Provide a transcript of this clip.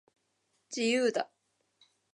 自由だ